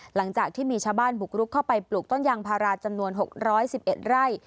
หลังจากที่มีชาบ้านหุกรุกเข้าไปปลูกต้นยางพาราจำนวนหกร้อยสิบเอ็ดไร่